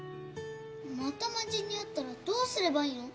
また魔人に遭ったらどうすればいいの？